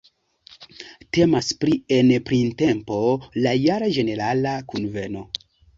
Temas pri en printempo la jara ĝenerala kunveno.